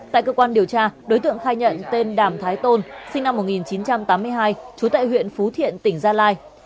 tại cơ quan điều tra đối tượng khai nhận tên đàm thái tôn sinh năm một nghìn chín trăm tám mươi hai trú tại huyện phú thiện tỉnh gia lai